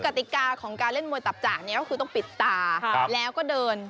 กติกาของการเล่นมวยตับจากนี้ก็คือต้องปิดตาแล้วก็เดิน